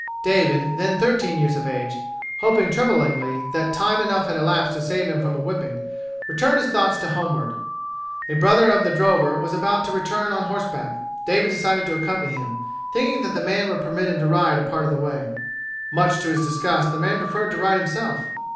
David, then thirteen years of age, hoping tremblingly that time enough had elapsed to save him from a whipping, turned his thoughts homeward. A brother of the drover was about to return on horseback. David decided to accompany him, thinking that the man would permit him to ride a part of the way. Much to his disgust, the man preferred to ride himself.